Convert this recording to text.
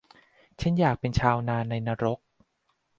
- ฉันอยากเป็นชาวนาในนรก